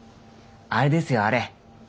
あれですよあれ。